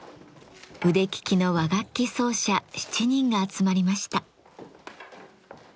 腕利きの和楽器奏者７人が集まりました。